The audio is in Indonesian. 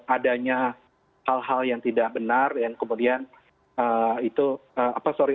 adanya hal hal yang tidak benar dan kemudian itu apa sorry